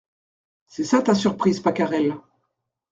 C’est ça ta surprise Pacarel .